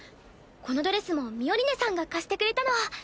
このドレスもミオリネさんが貸してくれたの。